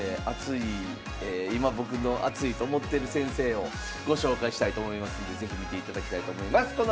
熱い今僕の熱いと思ってる先生をご紹介したいと思いますんで是非見ていただきたいと思います。